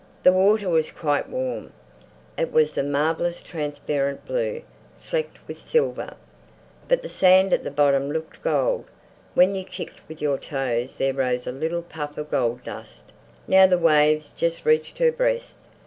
The water was quite warm. It was that marvellous transparent blue, flecked with silver, but the sand at the bottom looked gold; when you kicked with your toes there rose a little puff of gold dust. Now the waves just reached her breast.